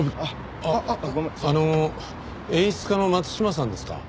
あっあの演出家の松島さんですか？